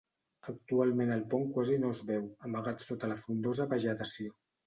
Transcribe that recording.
Actualment el pont quasi no es veu, amagat sota la frondosa vegetació.